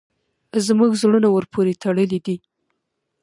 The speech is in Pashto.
زموږ زړونه ورپورې تړلي دي.